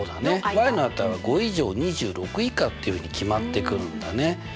の値は５以上２６以下っていうふうに決まってくるんだね。